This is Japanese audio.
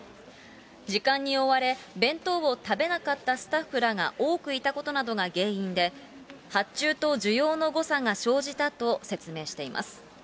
時間に追われ、弁当を食べなかったスタッフらが多くいたことなどが原因で、発注と需要の誤差が生じたと説明しています。